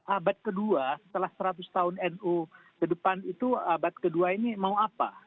abad ke dua setelah seratus tahun nu ke depan itu abad ke dua ini mau apa